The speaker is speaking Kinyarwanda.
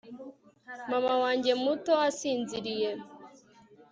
Mama wanjye muto asinziriye